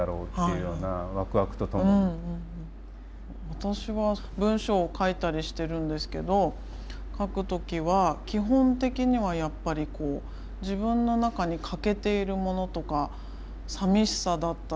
私は文章を書いたりしてるんですけど書く時は基本的にはやっぱりこう自分の中に欠けているものとかさみしさだったり